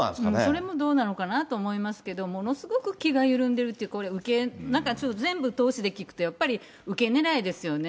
それもどうなのかなと思いますけど、ものすごく気が緩んでるって全部通しで聞くと、やっぱり受けねらいですよね。